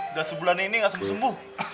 udah sebulan ini nggak sembuh sembuh